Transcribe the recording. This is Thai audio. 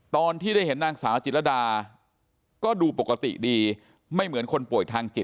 ตอนที่ได้เห็นนางสาวจิตรดาก็ดูปกติดีไม่เหมือนคนป่วยทางจิต